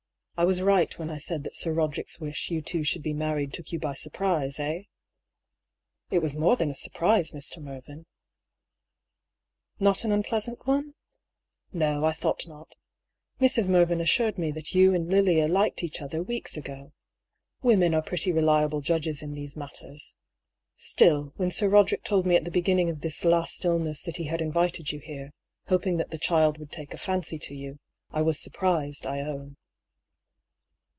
I was right when I said that Sir Roderick's wish you two should be married took you by surprise, eh?" " It was more than a surprise, Mr. Mervyn." " Not an unpleasant one ? No, I thought not. Mrs. Mervyn assured me that you and Lilia liked each other weeks ago. Women are pretty reliable judges in these matters. Still, when Sir Roderick told me at the begin ning of this last illness that he had invited you here, hoping that the child would take a fancy to you, I was surprised, I own."